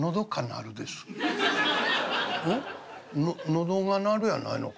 『喉が鳴る』やないのか？